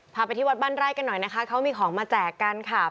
พาไปที่วัดบ้านไร่กันหน่อยนะคะเขามีของมาแจกกันค่ะ